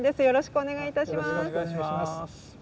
よろしくお願いします。